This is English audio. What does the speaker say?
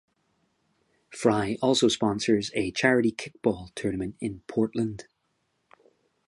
Frye also sponsors a charity kickball tournament in Portland.